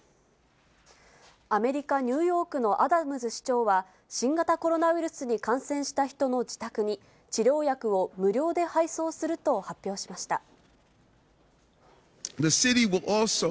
アメリカ・ニューヨークのアダムズ市長は、新型コロナウイルスに感染した人の自宅に、治療薬を無料で配送すると発表しました。